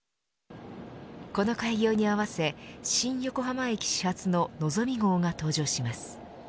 この開業に合わせ新横浜駅始発ののぞみ号が登場します。